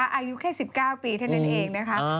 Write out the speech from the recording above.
อายุแค่๑๙ปีเท่านั้นเองนะคะ